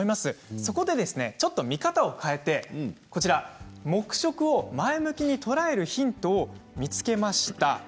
そこでちょっと見方を変えて黙食を前向きに捉えるヒントを見つけました。